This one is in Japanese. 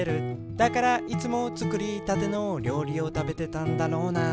「だからいつもつくりたてのりょうりをたべてたんだろうな」